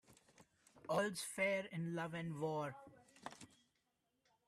All's fair in love and war.